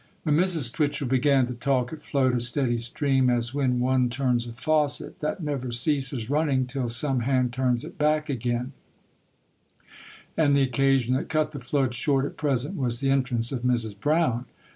When Mrs. Twitchel began to talk, it flowed a steady stream, as when one turns a faucet, that never ceases running till some hand turns it back again; and the occasion that cut the flood short at present was the entrance of Mrs. Brown.